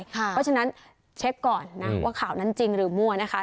เพราะฉะนั้นเช็คก่อนนะว่าข่าวนั้นจริงหรือมั่วนะคะ